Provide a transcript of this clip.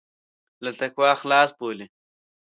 له تقوا خلاص بولي.